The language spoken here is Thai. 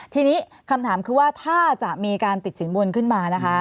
ทีนี้คำถามคือว่าถ้าจะมีการติดสินบนขึ้นมานะคะ